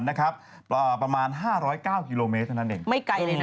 สนับสนุนโดยดีที่สุดคือการให้ไม่สิ้นสุด